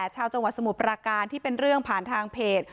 ชาวจังหวัดสมุทรปราการที่เป็นเรื่องผ่านทางเพจ